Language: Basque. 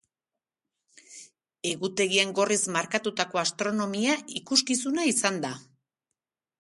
Egutegian gorriz markatutako astronomia ikuskizuna izan da.